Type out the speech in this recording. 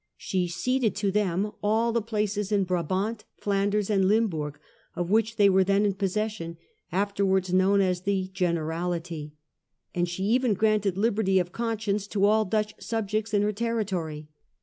She ceded to them all the places peace with* 8 in Brabant, Flanders, and Limburg, of which the Dutch. t hey were th en j n possession, afterwards known as the * Generality ;* and she even granted liberty of conscience to all Dutch subjects in her territory.